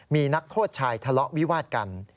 มีนักโทษชายทะเลาะวิวาดกัน